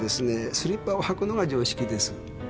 スリッパを履くのが常識です。